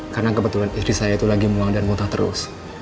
karena kebetulan istri saya lagi muang dan muntah terus